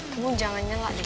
kamu jangan nyela deh